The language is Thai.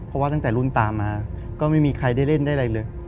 เพราะว่าตั้งแต่รุ่นตามมาก็ไม่มีใครได้เล่นได้อะไรเลย